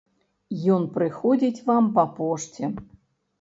Ён прыходзіць вам па пошце.